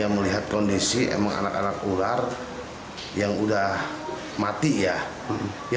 melihat kondisi anak anak ular yang sudah mati ya